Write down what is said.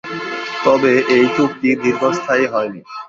তবে এই চুক্তি দীর্ঘস্থায়ী হয়নি।